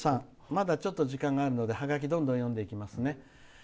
まだちょっと時間があるのでハガキどんどん読んでいきますね。